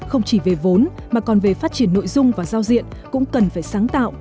không chỉ về vốn mà còn về phát triển nội dung và giao diện cũng cần phải sáng tạo